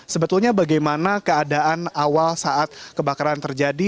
sebetulnya bagaimana keadaan awal saat kebakaran terjadi